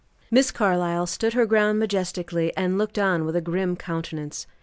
Miss Carlyle stood her ground majestically, and looked on with a grim countenance.